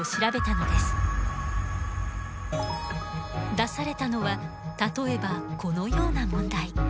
出されたのは例えばこのような問題。